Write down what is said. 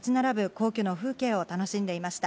皇居の風景を楽しんでいました。